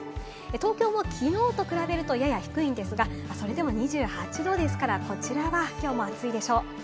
東京もきのうと比べるとやや低いんですが、それでも２８度ですから、こちらはきょうも暑いでしょう。